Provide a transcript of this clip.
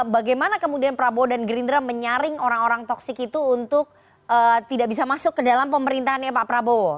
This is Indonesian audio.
bagaimana kemudian prabowo dan gerindra menyaring orang orang toksik itu untuk tidak bisa masuk ke dalam pemerintahannya pak prabowo